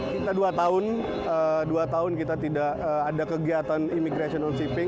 kita dua tahun dua tahun kita tidak ada kegiatan imigrational shipping